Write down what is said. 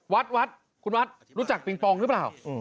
วัดวัดคุณวัดรู้จักปิงปองหรือเปล่า